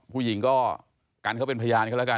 ผู้หญิงก็กันเขาเป็นพยานกันแล้วกัน